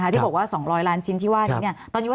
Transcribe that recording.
สำหรับกำลังการผลิตหน้ากากอนามัย